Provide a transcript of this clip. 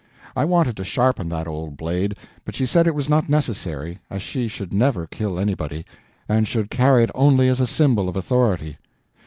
I wanted to sharpen that old blade, but she said it was not necessary, as she should never kill anybody, and should carry it only as a symbol of authority.